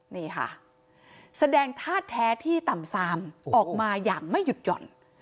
นี่ค่ะแสดงท่าแท้ที่ต่ำซามออกมาอย่างไม่หยุดหย่อน